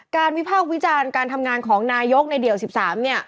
วิพากษ์วิจารณ์การทำงานของนายกในเดี่ยว๑๓เนี่ย